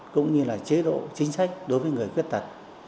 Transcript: cũng như là chế độ chính sách đối với người khuyết tật